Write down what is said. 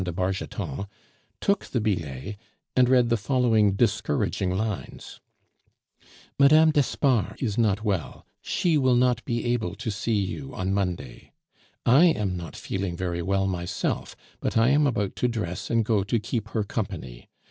de Bargeton, took the billet, and read the following discouraging lines: "Mme. d'Espard is not well; she will not be able to see you on Monday. I am not feeling very well myself, but I am about to dress and go to keep her company.